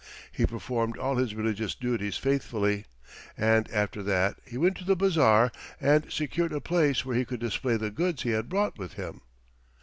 He performed all his religious duties faithfully, and after that he went to the bazaar and secured a place where he could display the goods he had brought with him.